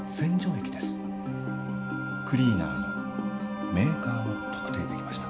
クリーナーのメーカーも特定できました。